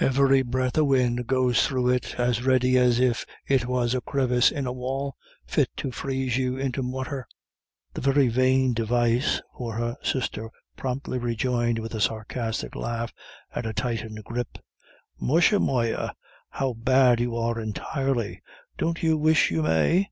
Every breath of win' goes thro' it as ready as if it was a crevice in a wall, fit to freeze you into mortar." A very vain device, for her sister promptly rejoined with a sarcastic laugh and a tightened grip: "Musha moyah, how bad you are entirely. Don't you wish you may?"